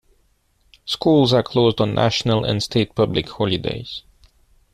Schools are closed on national and state public holidays.